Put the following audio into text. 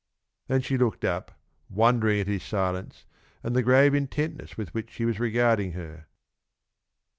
Then she looked up, wondering at his silence and the grave intentness with which he was regarding her.